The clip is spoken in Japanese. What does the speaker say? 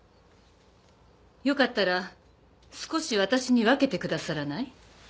よかったら少し私に分けてくださらない？